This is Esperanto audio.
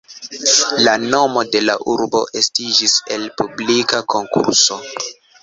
La nomo de la urbo estiĝis el publika konkurso.